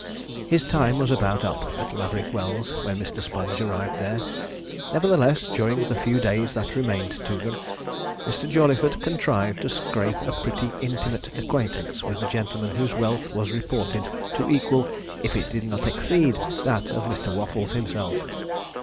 His time was about up at Laverick Wells when Mr. Sponge arrived there; nevertheless, during the few days that remained to them, Mr. Jawleyford contrived to scrape a pretty intimate acquaintance with a gentleman whose wealth was reported to equal, if it did not exceed, that of Mr. Waffles himself.